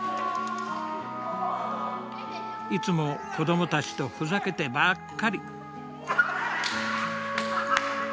いつも子どもたちとふざけてばっかり。